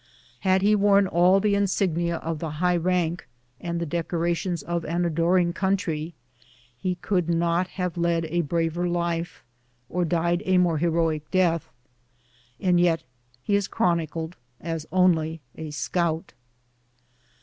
Had he worn all the insignia of the high rank and tlie decorations of an adoring coun try, he could not have led a braver life or died a more heroic death ; and yet he is chronicled as " only a scout.''